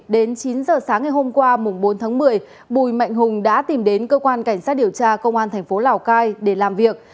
đến chín giờ sáng ngày hôm qua bốn tháng một mươi bùi mạnh hùng đã tìm đến cơ quan cảnh sát điều tra công an thành phố lào cai để làm việc